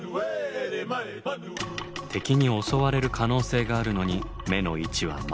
敵に襲われる可能性があるのに目の位置は前。